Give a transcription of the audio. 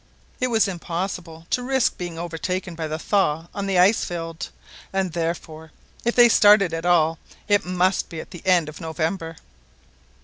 It was impossible to risk being overtaken by the thaw on the ice field, and therefore if they started at all it must be at the end of November.